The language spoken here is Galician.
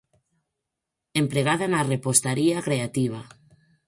Empregada na repostaría creativa.